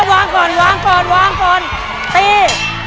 วางก่อนวางก่อนวางก่อนตี